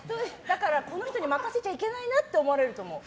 この人に任せちゃいけないなと思われると思う。